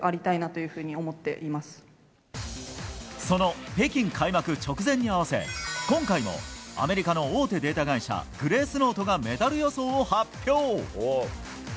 その北京開幕直前に合わせ今回もアメリカの大手データ会社グレースノートがメダル予想を発表。